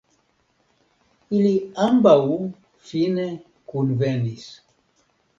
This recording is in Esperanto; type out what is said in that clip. Ili ambaŭ fine kunvenis.